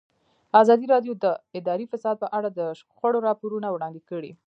ازادي راډیو د اداري فساد په اړه د شخړو راپورونه وړاندې کړي.